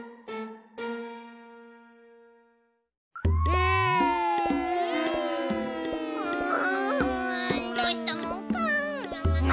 どうしたもんか。